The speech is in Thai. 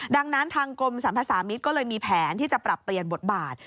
ดังนั้นทางกรมสรรพสามิตรก็เลยมีแผนที่จะปรับเปลี่ยนบทบาท